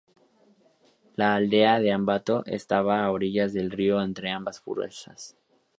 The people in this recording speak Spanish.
La aldea de Ambato estaba a orillas del río entre ambas fuerzas.